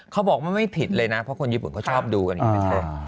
เขาบอกว่าไม่ผิดเลยนะเพราะคนญี่ปุ่นเขาชอบดูกันอย่างนี้ไม่ใช่